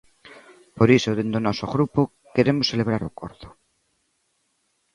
Por iso dende o noso grupo queremos celebrar o acordo.